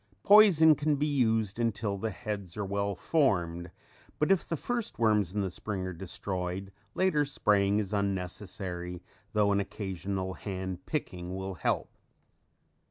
Poison can be used until the heads are well formed, but if the first worms in the spring are destroyed, later spraying is unnecessary though an occasional handpicking will help.